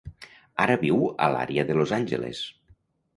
Ara viu a l'àrea de Los Angeles.